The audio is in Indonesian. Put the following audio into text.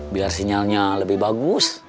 biar sinyalnya lebih bagus